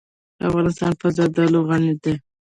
افغانستان په زردالو غني دی.